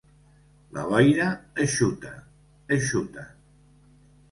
La boira, eixuta, eixuta.